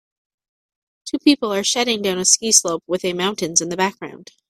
Two people are shedding down a ski slope with a mountains in the background